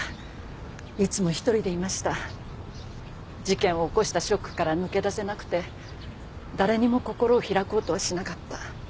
事件を起こしたショックから抜け出せなくて誰にも心を開こうとはしなかった。